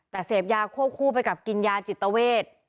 แต่เสพยาควบคู่ไปกับกินยาจิตเวท